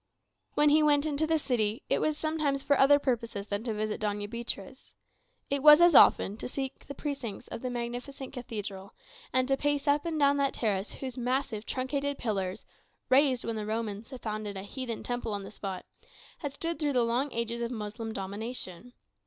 When he went into the city, it was sometimes for other purposes than to visit Doña Beatriz. It was as often to seek the precincts of the magnificent Cathedral, and to pace up and down that terrace whose massive truncated pillars, raised when the Romans founded a heathen temple on the spot, had stood throughout the long ages of Moslem domination.